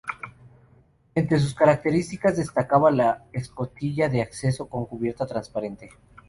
Entre sus características, destacaba la escotilla de acceso con cubierta transparente.